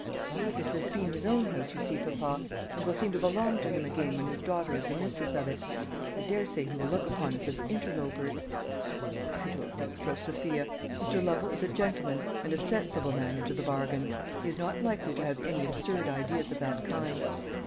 "But this has been his own house, you see, papa, and will seem to belong to him again when his daughter is the mistress of it. I daresay he will look upon us as interlopers." "I don't think so, Sophia. Mr. Lovel is a gentleman, and a sensible man into the bargain. He is not likely to have any absurd ideas of that kind."